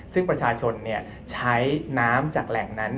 ซึ่งประชาชนใช้น้ำจากแหล่งนั้น